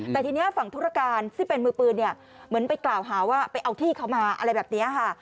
แต่ทีนี้ฝั่งธุรการซึ่งเป็นมือปืนเนี่ยเหมือนไปกล่าวหาว่าไปเอาที่เขามาอะไรแบบนี้ค่ะ